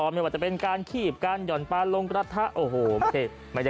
ไม่ว่าจะเป็นการขีบการหย่อนปลาลงกระทะโอ้โห